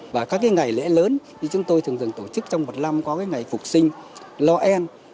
và các cái ngày lễ lớn thì chúng tôi thường dừng tổ chức trong một năm có cái ngày phục sinh lo en